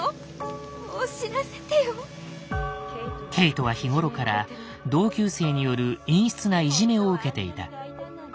ケイトは日頃から同級生による陰湿ないじめを受けていた。